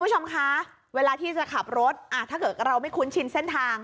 คุณผู้ชมคะเวลาที่จะขับรถถ้าเกิดเราไม่คุ้นชินเส้นทาง